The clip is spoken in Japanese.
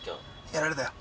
やられたよ